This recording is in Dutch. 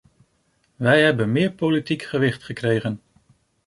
Wij hebben meer politiek gewicht gekregen.